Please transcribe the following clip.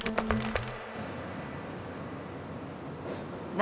・何？